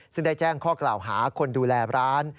ซึ่งได้แจ้งข้อกล่าวหาคนดูแลร้าน